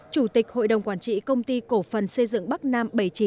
chủ tịch hội đồng quản trị công ty cổ phần xây dựng bắc nam bảy mươi chín